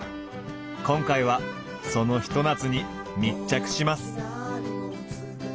今回はそのひと夏に密着します。